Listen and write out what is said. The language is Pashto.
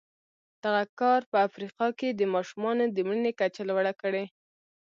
دغه کار په افریقا کې د ماشومانو د مړینې کچه لوړه کړې.